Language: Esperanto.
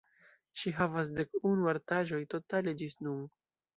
Ŝi havas dekunu artaĵoj totale ĝis nun.